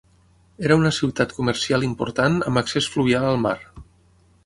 Era una ciutat comercial important amb accés fluvial al mar.